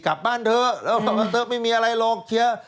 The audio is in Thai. กลับบ้านเถอะแล้วพ่อตนรอยที่ไม่มีอะไรหรอกเคลียร์